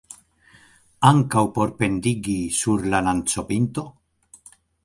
Ankaŭ por pendigi sur la lancopinto?